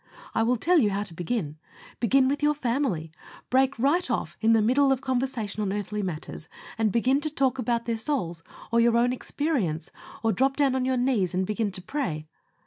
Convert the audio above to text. I will tell you how to begin. Begin with your family. Break off right in the middle of conversation on earthly matters, and begin to talk about their souls, or your own experience, or drop down on your knees, and begin to pray."